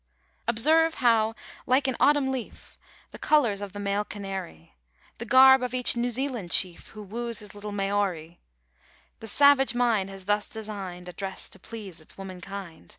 Observe how like an autumn leaf The colors of the male canary, The garb of each New Zealand chief Who woos his Little Maori; The savage mind has thus designed A dress to please its womankind.